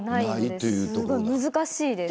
すごい難しいです。